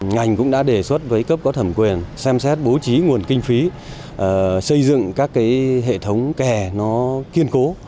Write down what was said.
ngành cũng đã đề xuất với cấp có thẩm quyền xem xét bố trí nguồn kinh phí xây dựng các hệ thống kè nó kiên cố